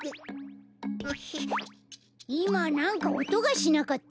いまなんかおとがしなかった？